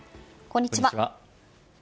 こんにちは。